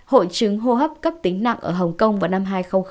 hội chứng hô hấp cấp tính nặng ở hồng kông vào năm hai nghìn ba